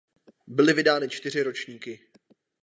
Byly vydány čtyři ročníky.